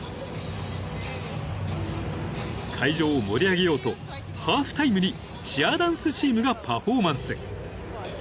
［会場を盛り上げようとハーフタイムにチアダンスチームがパフォーマンス］